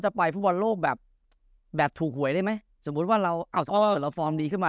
ไปฟุตบอลโลกแบบแบบถูกหวยได้ไหมสมมุติว่าเราเอาสมมุติว่าเราฟอร์มดีขึ้นมา